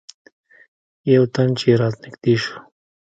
یو تن چې رانږدې شو.